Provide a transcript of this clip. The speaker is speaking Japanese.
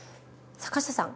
坂下さん